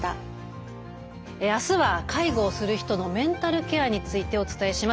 あすは介護をする人のメンタルケアについてお伝えします。